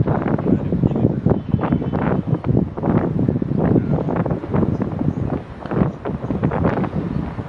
habari mjini Dodoma akionekana mgonjwaIngawa kulikuwa na uvumi kuwa amepata maambukizi ya Corona